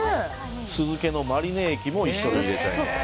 酢漬けのマリネ液も一緒に入れていきます。